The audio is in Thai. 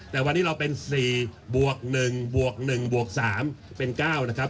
แต่วันนี้เราเป็น๔บวก๑บวก๑บวก๓เป็น๙นะครับ